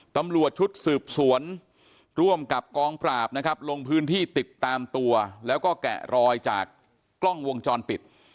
ตำรวจชุดสืบสวนร่วมกับกองปราบนะครับลงพื้นที่ติดตามตัวแล้วก็แกะรอยจากกล้องวงจรปิด